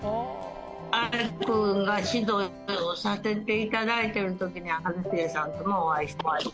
アイクが指導させていただいているときに、一茂さんともお会いしました。